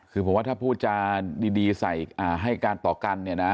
คือผมว่าถ้าพูดจาดีใส่ให้การต่อกันเนี่ยนะ